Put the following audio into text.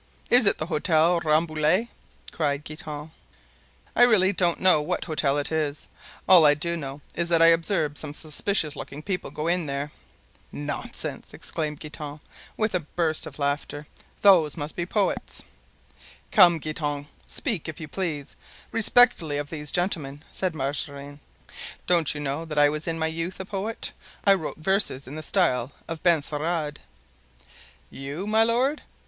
it is the Hotel Rambouillet," cried Guitant. "I really don't know what hotel it is; all I do know is that I observed some suspicious looking people go in there——" "Nonsense!" exclaimed Guitant, with a burst of laughter; "those men must be poets." "Come, Guitant, speak, if you please, respectfully of these gentlemen," said Mazarin; "don't you know that I was in my youth a poet? I wrote verses in the style of Benserade——" "You, my lord?"